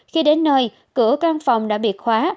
khi đến nơi cửa căn phòng đã bị khóa